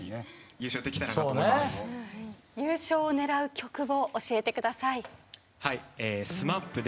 優勝を狙う曲を教えてください。